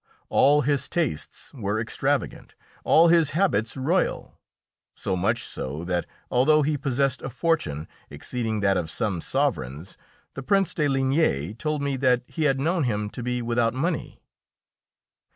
All his tastes were extravagant, all his habits royal, so much so that, although he possessed a fortune exceeding that of some sovereigns, the Prince de Ligne told me that he had known him to be without money.